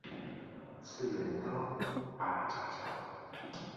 次元刀拔杂草